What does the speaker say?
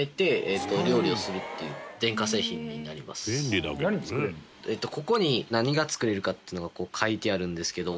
隆貴君：ここに何が作れるかっていうのが書いてあるんですけど。